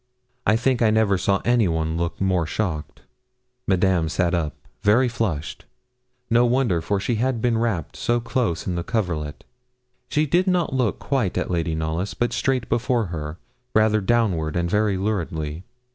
I think I never saw anyone look more shocked. Madame sat up, very flushed. No wonder, for she had been wrapped so close in the coverlet. She did not look quite at Lady Knollys, but straight before her, rather downward, and very luridly.